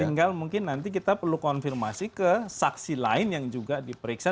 tinggal mungkin nanti kita perlu konfirmasi ke saksi lain yang juga diperiksa